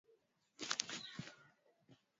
Nancy hapendi mazungumzo marefu